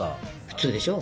普通でしょ。